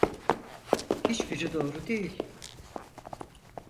Hiçbiri doğru değil.